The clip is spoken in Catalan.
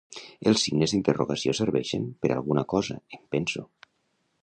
Els signes d'interrogació serveixen per a alguna cosa, em penso.